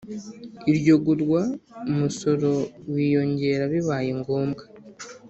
Iryo gurwa umusoro wiyongera bibaye ngombwa